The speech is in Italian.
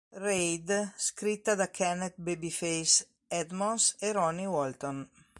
Reid, scritta da Kenneth "Babyface" Edmonds e Ronnie Walton.